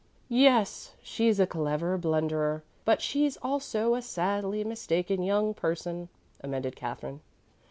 "Yes, she's a clever blunderer, but she's also a sadly mistaken young person," amended Katherine.